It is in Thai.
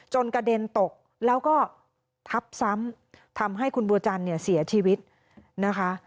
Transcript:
กระเด็นตกแล้วก็ทับซ้ำทำให้คุณบัวจันทร์เนี่ยเสียชีวิตนะคะ